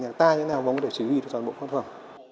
như thế nào mới có thể chỉ huy được toàn bộ tác phẩm